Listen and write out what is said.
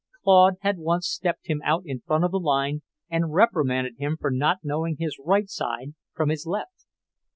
Claude had once stepped him out in front of the line and reprimanded him for not knowing his right side from his left.